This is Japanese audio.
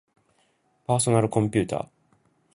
パーソナルコンピューター